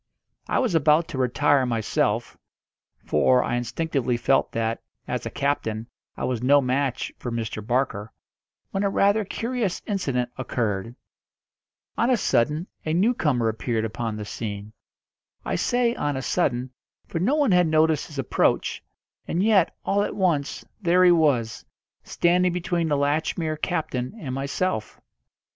I was about to retire myself for I instinctively felt that, as a captain, I was no match for Mr. Barker when a rather curious incident occurred. On a sudden a newcomer appeared upon the scene. I say on a sudden, for no one had noticed his approach, and yet, all at once, there he was, standing between the Latchmere captain and myself.